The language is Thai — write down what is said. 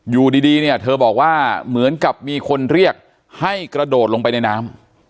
อยู่ดีเนี่ยเธอบอกว่าเหมือนกับมีคนเรียกให้กระโดดลงไปในน้ำ